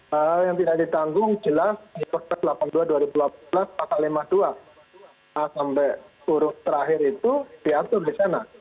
hal hal yang tidak ditanggung jelas di perpres delapan puluh dua dua ribu delapan belas pasal lima puluh dua a sampai huruf terakhir itu diatur di sana